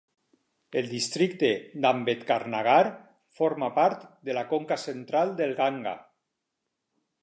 El districte d'Ambedkarnagar forma part de la conca central del Ganga.